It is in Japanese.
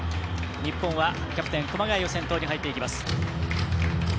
日本はキャプテン熊谷を先頭に入っていきます。